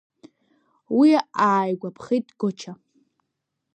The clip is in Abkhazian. Уи ааигәаԥхеит Гоча.